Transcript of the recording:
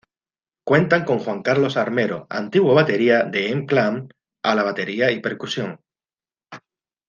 Cuentan con Juan Carlos Armero, antiguo batería de M-Clan, a la batería y percusión.